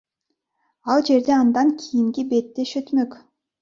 Ал жерде андан кийинки беттеш өтмөк.